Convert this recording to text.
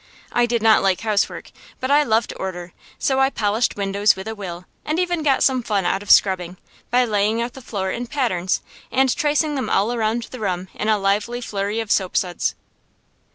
I did not like housework, but I loved order; so I polished windows with a will, and even got some fun out of scrubbing, by laying out the floor in patterns and tracing them all around the room in a lively flurry of soapsuds.